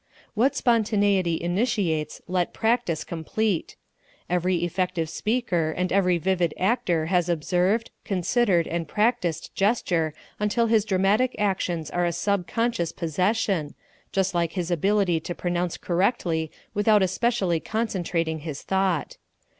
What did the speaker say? What spontaneity initiates let practise complete. Every effective speaker and every vivid actor has observed, considered and practised gesture until his dramatic actions are a sub conscious possession, just like his ability to pronounce correctly without especially concentrating his thought.